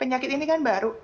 penyakit ini kan baru